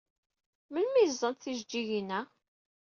Melmi ay ẓẓant tijeǧǧigin-a?